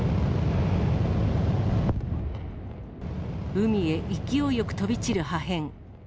海へ勢いよく飛び散る破片。